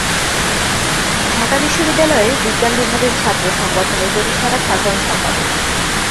ঢাকা বিশ্ববিদ্যালয়ের বিজ্ঞান বিভাগের ছাত্র সংগঠনের প্রতিষ্ঠাতা সাধারণ সম্পাদক।